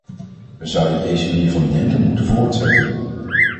We zouden deze manier van denken moeten voortzetten.